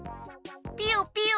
ピヨピヨ！